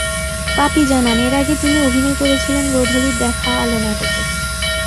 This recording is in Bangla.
পপি জানান, এর আগে তিনি অভিনয় করেছিলেন গোধূলির দেখা আলো নাটকে।